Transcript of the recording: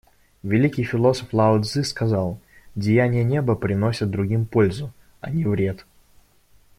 Великий философ Лао Цзы сказал: «Деяния Неба приносят другим пользу, а не вред.